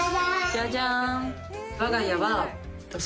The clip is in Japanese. ジャジャン！